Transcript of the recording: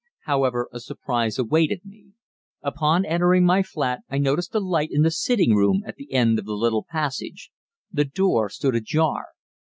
However, a surprise awaited me. Upon entering my flat I noticed a light in the sitting room at the end of the little passage the door stood ajar.